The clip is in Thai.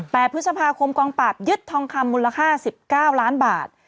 พฤษภาคมกองปราบยึดทองคำมูลค่า๑๙ล้านบาท